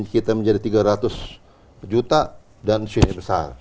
kita menjadi tiga ratus juta dan suhunya besar